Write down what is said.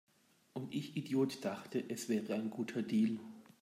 Und ich Idiot dachte, es wäre ein guter Deal!